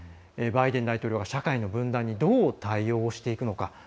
バイデン大統領が社会の分断にどう対応していくのか。